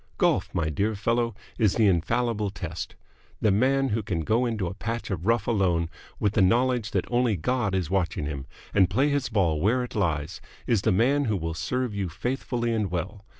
Golf, my dear fellow, is the infallible test. The man who can go into a patch of rough alone, with the knowledge that only God is watching him, and play his ball where it lies, is the man who will serve you faithfully and well.